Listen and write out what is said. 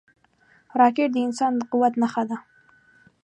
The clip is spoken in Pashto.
راکټ د انسان د قوت نښه ده